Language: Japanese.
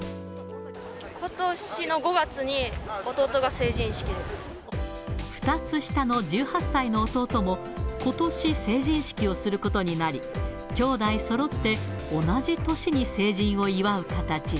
ことしの５月に弟が成人式で２つ下の１８歳の弟も、ことし成人式をすることになり、姉弟そろって同じ年に成人を祝う形に。